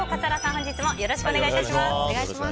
本日もよろしくお願いいたします。